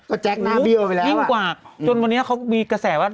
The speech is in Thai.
ก็แจ๊คนะเบี้ยวไปแล้วยิ่งกว่าจนวันนี้เขามีกระแสว่า